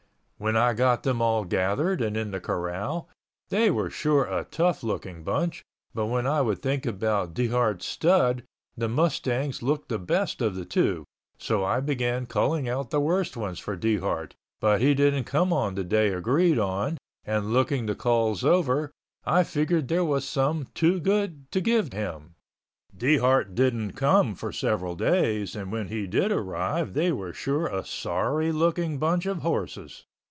When I got them all gathered and in the corral, they were sure a tough looking bunch but when I would think about Dehart's stud the Mustangs looked the best of the two so I began culling out the worst ones for Dehart, but he didn't come on the day agreed on and looking the culls over I figured there was some too good to give him. Dehart didn't come for several days and when he did arrive they were sure a sorry looking bunch of horses.